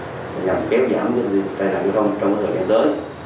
và nhằm kéo giảm trại nạn giao thông trong thời gian tới